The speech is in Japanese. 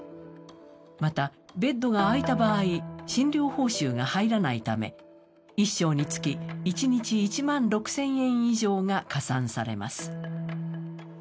またベッドが空いた場合診療報酬が入らないため１床につき一日１万６０００円以上が加算されます。